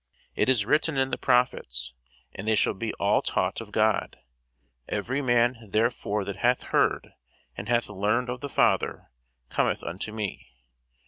It is written in the prophets, And they shall be all taught of God. Every man therefore that hath heard, and hath learned of the Father, cometh unto me.